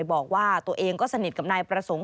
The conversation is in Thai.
บอกว่าตัวเองก็สนิทกับนายประสงค์